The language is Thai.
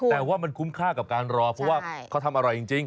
แต่ว่ามันคุ้มค่ากับการรอเพราะว่าเขาทำอร่อยจริง